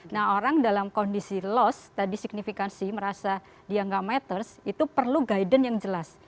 nah orang dalam kondisi lost tadi signifikansi merasa dia nggak matters itu perlu guidance yang jelas